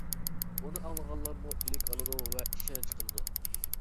ئۇنى ئاڭلىغانلارمۇ ئىلىك ئالىدۇ ۋە ئىشەنچ قىلىدۇ.